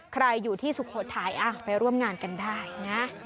ใครอยู่ที่สุโขทัยไปร่วมงานกันได้นะ